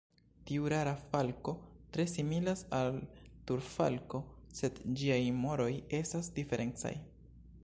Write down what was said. Tiu rara falko tre similas al Turfalko, sed ĝiaj moroj estas diferencaj.